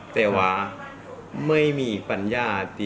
แต่ว่าไม่มี่ฝันญาติ